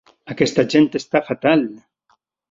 Aquesta gent està fatal!